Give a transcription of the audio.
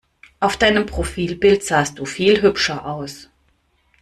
Auf deinem Profilbild sahst du viel hübscher aus!